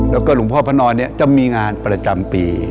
แล้วก็หลวงพ่อพระนอนเนี่ยจะมีงานประจำปี